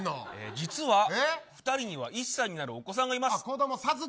実は２人には、１歳になるお子さんがいます。